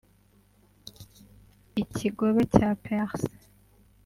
Ikigobe cya Perse